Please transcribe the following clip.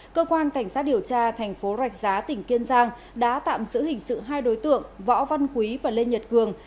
cơ quan cảnh sát điều tra thành phố rạch giá tỉnh kiên giang đã tạm giữ hình sự hai đối tượng võ văn quý và lê nhật cường